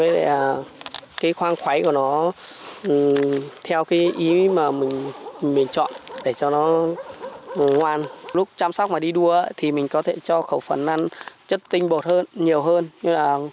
để dẻo dai hơn